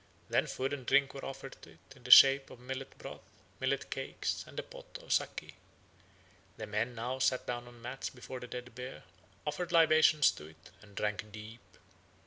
Then food and drink were offered to it, in the shape of millet broth, millet cakes, and a pot of sake. The men now sat down on mats before the dead bear, offered libations to it, and drank deep.